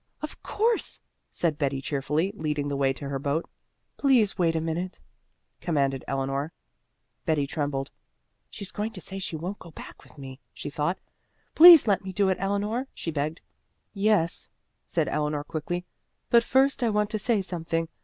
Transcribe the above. "Of course," said Betty, cheerfully, leading the way to her boat. "Please wait a minute," commanded Eleanor. Betty trembled. "She's going to say she won't go back with me," she thought. "Please let me do it, Eleanor," she begged. "Yes," said Eleanor, quickly, "but first I want to say something.